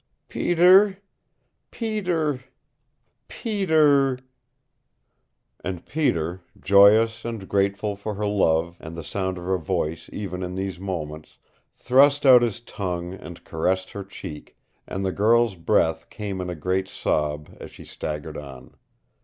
"Peter Peter Peter " And Peter, joyous and grateful for her love and the sound of her voice even in these moments, thrust out his tongue and caressed her cheek, and the girl's breath came in a great sob as she staggered on.